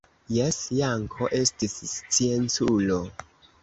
Jes, Janko estis scienculo.